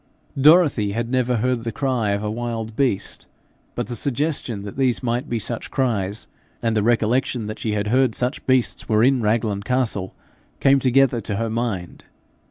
Dorothy had never heard the cry of a wild beast, but the suggestion that these might be such cries, and the recollection that she had heard such beasts were in Raglan Castle, came together to her mind.